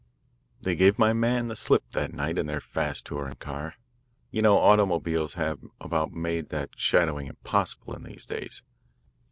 "They gave my man the slip that night in their fast touring car. You know automobiles have about made shadowing impossible in these days.